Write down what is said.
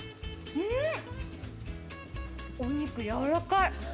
うん、お肉やわらかい！